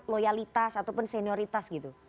loyalitas ataupun senioritas gitu